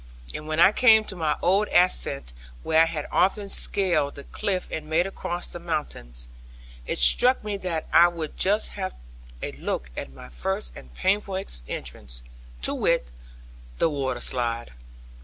And when I came to my old ascent, where I had often scaled the cliff and made across the mountains, it struck me that I would just have a look at my first and painful entrance, to wit, the water slide.